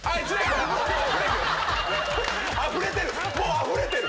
あふれてる！